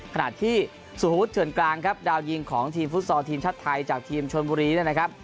ขณะที่สุภวุฒิเถื่อนกลางครับดาวยิงของทีมฟุตซอลทีมชาติไทยจากทีมชนบุรีเนี่ยนะครับ